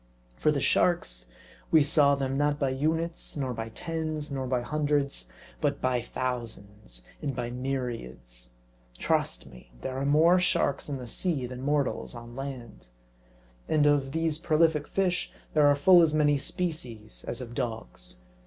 For the sharks, we saw them, not by units, nor by tens, nor by hundreds ; but by thousands and by myriads. Trust me, there are more sharks in the sea than mortals on land. And of these prolific fish there are full as many species as of dogs.